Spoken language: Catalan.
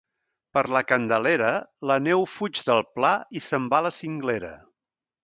Per la Candelera la neu fuig del pla i se'n va a la cinglera.